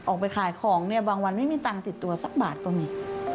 ออกไปขายของเนี่ยบางวันไม่มีตังค์ติดตัวสักบาทก็มี